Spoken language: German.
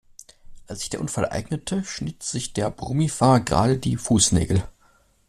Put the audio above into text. Als sich der Unfall ereignete, schnitt sich der Brummi-Fahrer gerade die Fußnägel.